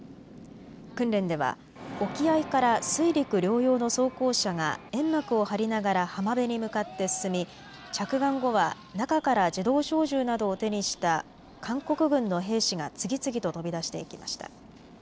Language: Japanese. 訓練では沖合から水陸両用の装甲車が煙幕を張りながら浜辺に向かって進み着岸後は中から自動小銃などを手にした韓国軍の兵士が次々と飛び出していきました。